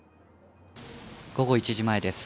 午後１時前です。